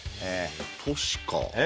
都市か。